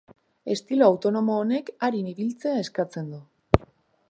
Estilo autonomo honek arin ibiltzea eskatzen du.